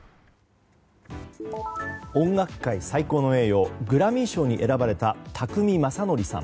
音楽界最高の栄誉グラミー賞に選ばれた宅見将典さん。